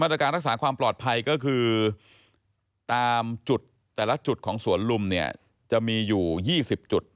ตรการรักษาความปลอดภัยก็คือตามจุดแต่ละจุดของสวนลุมเนี่ยจะมีอยู่๒๐จุด